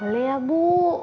boleh ya bu